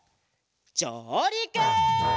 じょうりく！